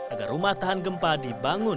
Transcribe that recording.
agar rumah tahan gempa dibangun